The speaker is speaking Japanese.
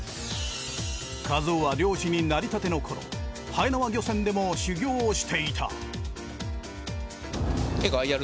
一夫は漁師になりたての頃はえ縄漁船でも修業をしていた。